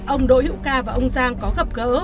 ông đỗ hữu ca và ông giang có gặp gỡ